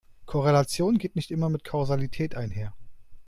Korrelation geht nicht immer mit Kausalität einher.